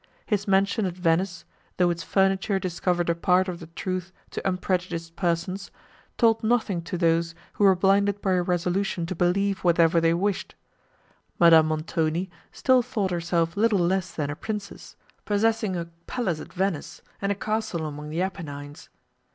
His mansion at Venice, though its furniture discovered a part of the truth to unprejudiced persons, told nothing to those who were blinded by a resolution to believe whatever they wished. Madame Montoni still thought herself little less than a princess, possessing a palace at Venice, and a castle among the Apennines.